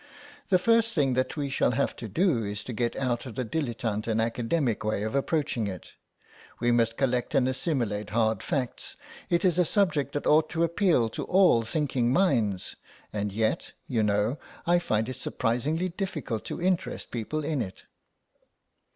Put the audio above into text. The first thing that we shall have to do is to get out of the dilettante and academic way of approaching it. We must collect and assimilate hard facts. It is a subject that ought to appeal to all thinking minds, and yet, you know, I find it surprisingly difficult to interest people in it."